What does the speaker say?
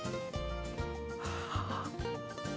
はあ。